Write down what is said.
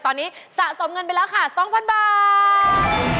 ตอนนี้สะสมเงินไปแล้วค่ะ๒๐๐บาท